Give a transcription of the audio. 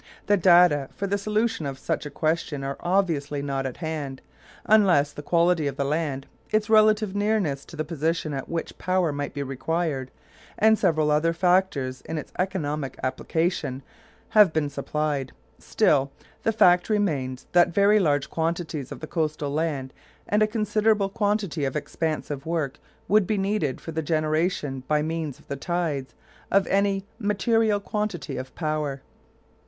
The data for the solution of such a question are obviously not at hand, unless the quality of the land, its relative nearness to the position at which power might be required, and several other factors in its economic application have been supplied. Still, the fact remains that very large quantities of the coastal land and a considerable quantity of expensive work would be needed for the generation, by means of the tides, of any really material quantity of power.